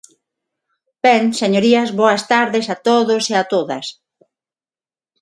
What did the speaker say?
Ben, señorías, boas tardes a todos e a todas.